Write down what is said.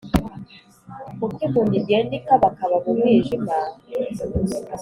uko impumyi igenda ikabakaba mu mwijima,